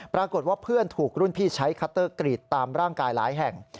ปรากฏว่าเพื่อนถูกรุ่นพี่ใช้คัตเตอร์กรีดตามร่างกายหลายแห่ง